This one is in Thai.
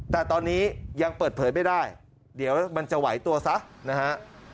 แต่ตอนนี้ยังเปิดเผยไม่ได้เดี๋ยวมันจะไหวตัวซะนะฮะ